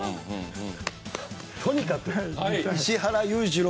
とにかく石原裕次郎。